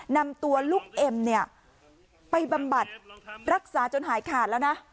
นำตัวลูกเอ็มเนี่ยไปบำบัดรักษาจนหายขาดแล้วนะ